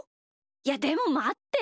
いやでもまって。